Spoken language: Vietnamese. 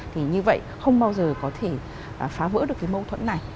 thì như vậy không bao giờ có thể phá vỡ được cái mâu thuẫn này